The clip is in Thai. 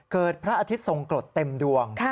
เกิดพระอธิษฎงกฎเต็มดวง